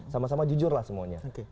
sama sama jujur lah semuanya